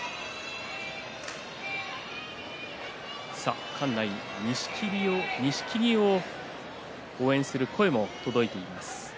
さあ、館内は錦木を応援する声も届いています。